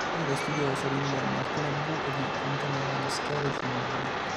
Qui lo studioso rinvenne alcune buche che contenevano scheletri umani.